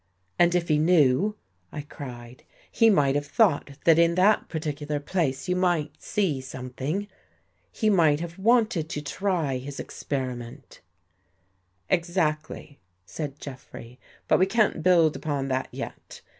" And if he knew," I cried, " he might have thought that in that particular place you might see something. He might have wanted to try his ex periment." " Exactly," said Jeffrey. " But we can't build upon that yet.